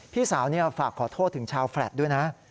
พี่สาวฝากขอโทษถึงชาวแฟลตด้วยนะ